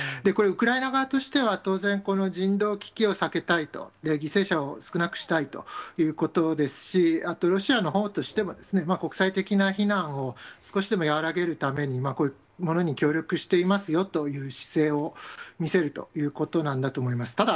これ、ウクライナ側としては、当然この人道危機を避けたいと、犠牲者を少なくしたいということですし、あと、ロシアのほうとしても、国際的な非難を少しでも和らげるために、こういうものに協力していますよという姿勢を見せるということなんだと思います。